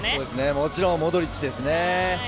もちろんモドリッチですね。